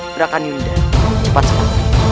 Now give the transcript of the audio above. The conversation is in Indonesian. gerakan yunda cepat sekali